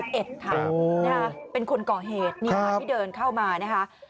อ๋อนะครับเป็นคนก่อเหตุเนี่ยที่เดินเข้ามานะฮะครับ